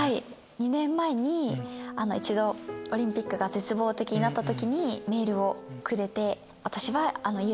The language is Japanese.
２年前に一度オリンピックが絶望的になった時にメールをくれて。